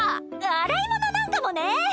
洗い物なんかもね。